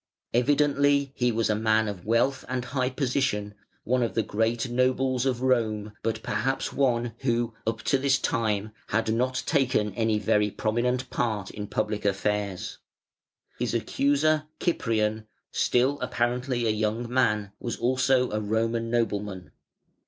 Evidently he was a man of wealth and high position, one of the great nobles of Rome, but perhaps one who, up to this time, had not taken any very prominent part in public affairs. His accuser, Cyprian, still apparently a young man, was also a Roman nobleman.